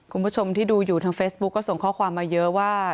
คุณผู้ชมที่ดูอยู่ทางเฟซบุ๊กก็ส่งข้อความมาเยอะว่า